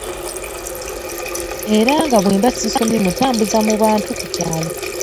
Era nga bwemba sisomye mmutambuza mu bantu ku kyalo.